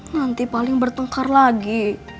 nanti paling bertengkar lagi